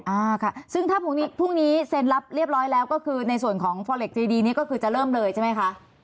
อ่าค่ะซึ่งถ้าพรุ่งนี้เซ็นรับเรียบร้อยแล้วก็คือในส่วนของฟอเล็กซีดีนี้ก็คือจะเริ่มเลยใช่ไหมคะ